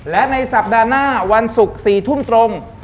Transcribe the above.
และในสัปดาห์หน้าวันศุกร์๔ทุ่มตรง